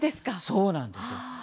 そうなんですよ。